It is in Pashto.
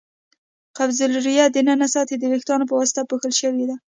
قصبة الریې د ننه سطحه د وېښتانو په واسطه پوښل شوې ده.